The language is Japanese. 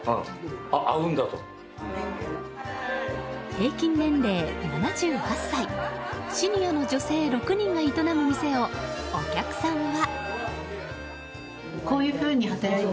平均年齢７８歳シニアの女性６人が営む店をお客さんは。